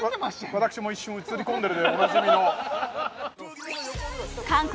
私も一瞬映り込んでるでおなじみの韓国